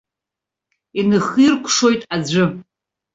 Иныхиркәшоит аӡәы.